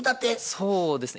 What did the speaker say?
そうですね。